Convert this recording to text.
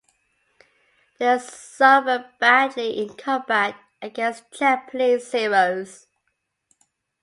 They suffered badly in combat against Japanese Zeros.